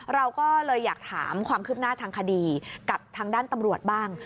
เราก็เลยอยากถามความคืบหน้าทางคดีกับทางด้านตำรวจบ้าง